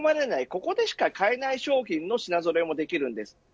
ここでしか買えない商品の品ぞろえもできるんです。